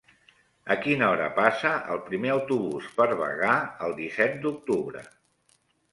A quina hora passa el primer autobús per Bagà el disset d'octubre?